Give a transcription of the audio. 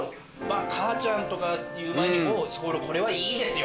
母ちゃんとか言う前にもうこれはいいですよ